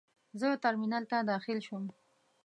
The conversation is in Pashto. زه ترمینل ته داخل شوم.